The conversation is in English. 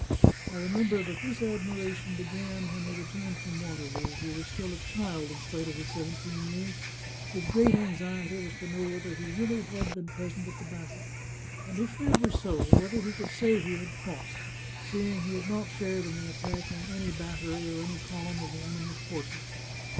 I remember that this admiration began when he returned from Waterloo. He was still a child, in spite of his seventeen years. His great anxiety was to know whether he really had been present at the battle ; and if that were so, whether he could say he had fought, seeing he had not shared in the attack on any bat tery or any column of the enemy's forces.